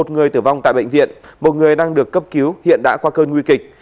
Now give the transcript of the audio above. một người tử vong tại bệnh viện một người đang được cấp cứu hiện đã qua cơn nguy kịch